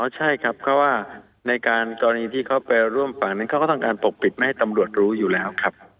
ใช่ครับเพราะว่าในการกรณีที่เขาไปร่วมฝั่งนั้นเขาก็ต้องการปกปิดไม่ให้ตำรวจรู้อยู่แล้วครับ